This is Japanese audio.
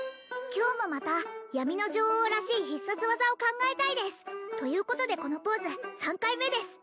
今日もまた闇の女王らしい必殺技を考えたいですということでこのポーズ３回目です